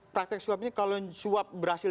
praktek suapnya kalau suap berhasil